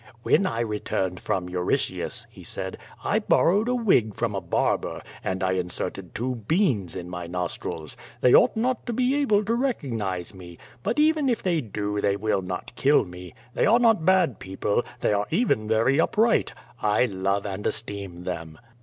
"When I returned from Euritius;," he said, "I borrowed n wig from a barber, and I inserted two beans in my nostrils. They ought not to be able to recognize me. But even if they do, they will not kill me. They are not bad people. They are even very upright. I love and esteem them."